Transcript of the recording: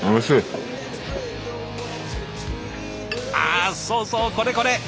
あそうそうこれこれ。